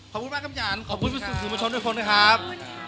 ขอบคุณมากครับยานขอบคุณมาชมด้วยคนนะครับ